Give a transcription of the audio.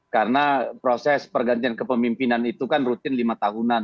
karena proses pergantian kepemimpinan itu kan rutin lima tahunan